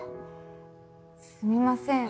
すみません。